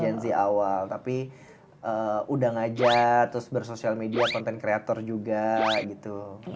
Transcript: gen z awal tapi udah ngajar terus bersosial media konten kreator juga gitu